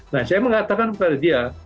nah saya mengatakan kepada dia